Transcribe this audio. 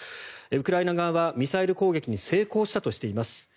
ウクライナ側はミサイル攻撃に成功したとしています。